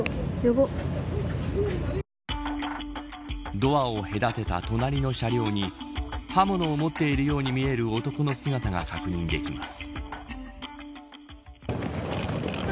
ドアを隔てた隣の車両に刃物を持っているように見える男の姿が確認できます。